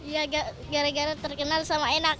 ya gara gara terkenal sama enak